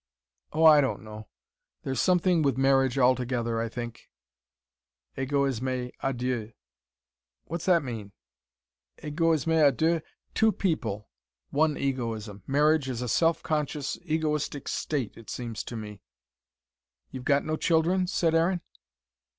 "Oh, I don't know. There's something with marriage altogether, I think. Egoisme a deux " "What's that mean?" "Egoisme a deux? Two people, one egoism. Marriage is a self conscious egoistic state, it seems to me." "You've got no children?" said Aaron.